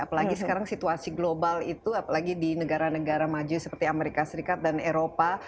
apalagi sekarang situasi global itu apalagi di negara negara maju seperti amerika serikat dan eropa